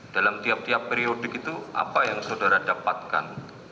dalam tiap tiap periodik itu apa yang saudara dapatkan